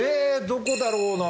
どこだろうな？